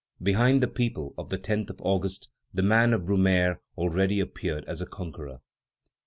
Behind the people of the 10th of August, the man of Brumaire already appeared as a conqueror.